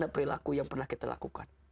beri laku yang pernah kita lakukan